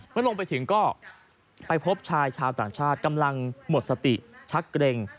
เมื่อลงไปถึงก็ไปพบชายชาวต่างชาติกำลังหมดสติชักเกร็ง